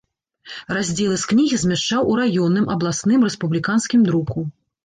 Раздзелы з кнігі змяшчаў у раённым, абласным, рэспубліканскім друку.